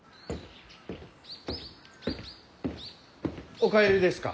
お帰りですか？